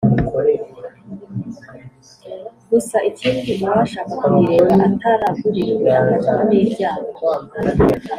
gusa ikindi uwashaka kuyireba ataragurijwe afatwa nibyago